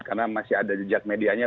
karena masih ada jejak medianya